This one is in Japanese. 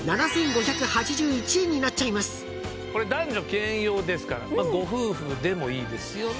これ男女兼用ですからご夫婦でもいいですよね。